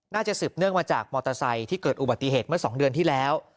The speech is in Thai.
สืบเนื่องมาจากมอเตอร์ไซค์ที่เกิดอุบัติเหตุเมื่อ๒เดือนที่แล้ว